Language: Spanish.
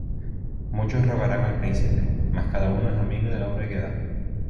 Muchos rogarán al príncipe: Mas cada uno es amigo del hombre que da.